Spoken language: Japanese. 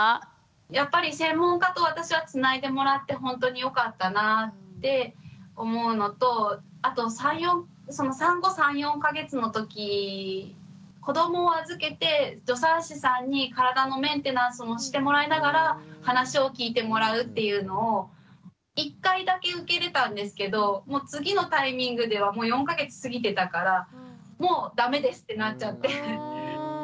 やっぱり専門家と私はつないでもらってほんとによかったなって思うのとあと産後３４か月のとき子どもを預けて助産師さんに体のメンテナンスもしてもらいながら話を聞いてもらうっていうのを１回だけ受けれたんですけどもう次のタイミングでは４か月過ぎてたからもう駄目ですってなっちゃって。